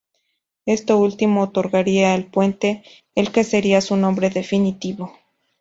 Esto último otorgaría al puente el que sería su nombre definitivo.